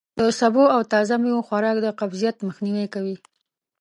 د سبو او تازه میوو خوراک د قبضیت مخنوی کوي.